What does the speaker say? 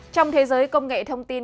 trong thế giới công nghệ thông tin